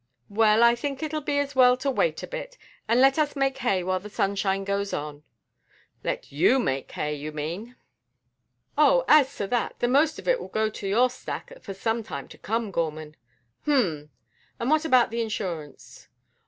"Well, I think it'll be as well to wait a bit, and let us make hay while this sunshine goes on." "Let you make hay, you mean?" "Oh, as to that, the most of it will go to your stack for some time to come, Gorman." "H'm! and what about the insurance?"